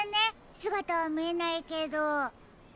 すがたはみえないけど。